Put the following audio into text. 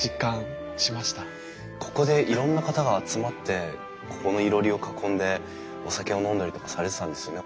ここでいろんな方が集まってここのいろりを囲んでお酒を飲んだりとかされてたんですね。